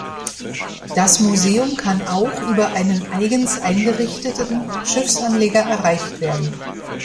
Das Museum kann auch über einen eigens eingerichteten Schiffsanleger erreicht werden.